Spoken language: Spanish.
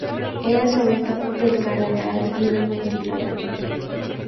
Era sobrino del cardenal Guido Bentivoglio.